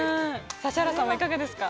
指原さん、いかがですか？